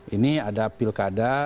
ini ada pilkada